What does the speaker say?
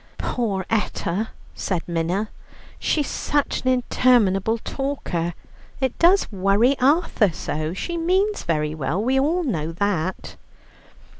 "Poor Etta!" said Minna; "she is such an interminable talker, it does worry Arthur so. She means very well; we all know that."